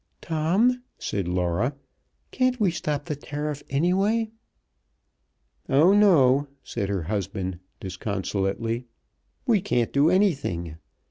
"Tom," said Laura, "can't we stop the tariff anyway?" "Oh, no!" said her husband disconsolately. "We can't do anything.